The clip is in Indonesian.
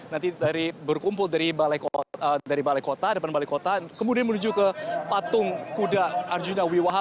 nanti berkumpul dari balai kota kemudian menuju ke patung kuda arjuna wiwaha